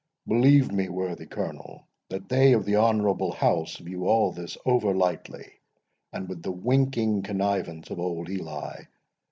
—Believe me, worthy Colonel, that they of the Honourable House view all this over lightly, and with the winking connivance of old Eli.